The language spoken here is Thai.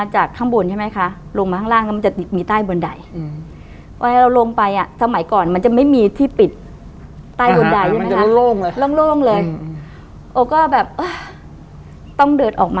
ว่าเราลงไปอะสมัยก่อนมันจะไม่มีที่ปิดใต้บนดาลนี่ไหมคะ